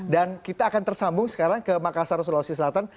dan kita akan tersambung sekarang ke makassar sulawesi selatan